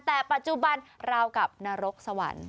แต่ปัจจุบันราวกับนรกสวรรค์